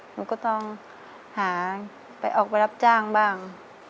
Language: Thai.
หนูก็ต้องหาไปออกไปรับจ้างบ้าง